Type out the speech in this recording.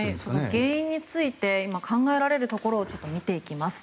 原因について今、考えられるところを見ていきます。